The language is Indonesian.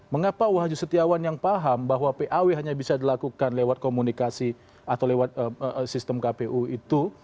mengapa wahyu setiawan yang paham bahwa paw hanya bisa dilakukan lewat komunikasi atau lewat sistem kpu itu